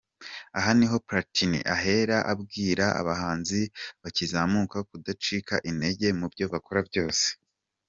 Aha niho Platini ahera abwira abahanzi bakizamuka kudacika intege mu byo bakora byose.